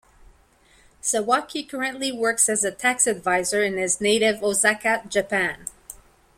Sawaki currently works as a tax advisor in his native Osaka, Japan.